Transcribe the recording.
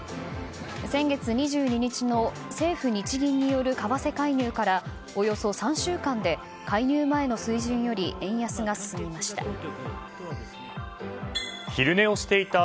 先月２２日の政府・日銀による為替介入からおよそ３週間で介入前の水準より円安が進みました。